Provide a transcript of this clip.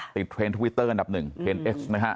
เปลี่ยนเทรนด์ทวิเตอร์ย์หนับหนึ่งเทรนด์เอกซ์นะฮะ